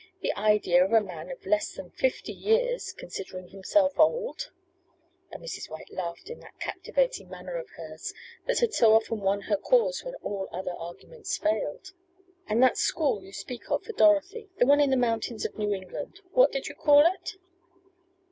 The idea of a man of less than fifty years, considering himself old," and Mrs. White laughed in that captivating manner of hers, that had so often won her cause when all other arguments failed. "And that school you speak of for Dorothy, the one in the mountains of New England, what did you call it?"